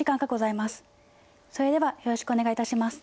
それではよろしくお願いいたします。